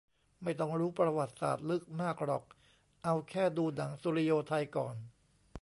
ไม่ต้องรู้ประวัติศาสตร์ลึกมากหรอกเอาแค่ดูหนังสุริโยไทก่อน